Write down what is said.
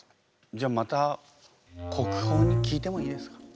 じゃあまた国宝に聞いてもいいですか？